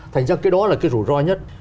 thành ra cái đó là cái rủi ro nhất